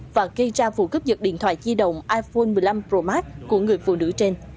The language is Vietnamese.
và gây ra vụ cướp dật điện thoại di động iphone một mươi năm pro max của người phụ nữ trên